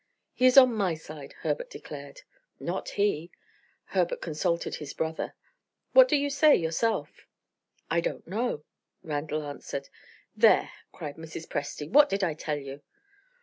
"He is on my side," Herbert declared. "Not he!" Herbert consulted his brother. "What do you say yourself?" "I don't know," Randal answered. "There!" cried Mrs. Presty. "What did I tell you?"